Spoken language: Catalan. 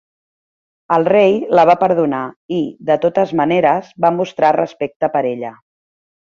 El rei la va perdonar i, de totes maneres, va mostrar respecte per ella.